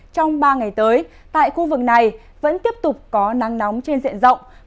trong ba ngày tới tại khu vực này vẫn tiếp tục có nắng nóng trên diện rộng